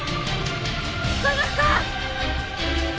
聞こえますか！？